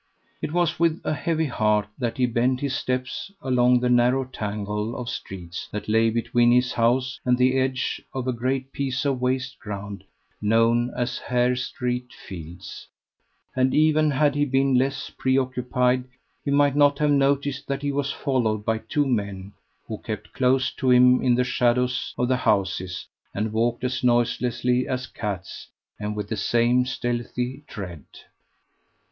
It was with a heavy heart that he bent his steps along the narrow tangle of streets that lay between his house and the edge of a great piece of waste ground known as Hare Street Fields, and even had he been less preoccupied he might not have noticed that he was followed by two men, who kept close to him in the shadows of the houses, and walked as noiselessly as cats, and with the same stealthy tread.